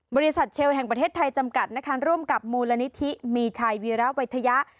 บริษัทเชลแห่งประเทศไทยจำกัดนะคะร่วมกับมูลนิธิมีชัยวีระวัยทยะ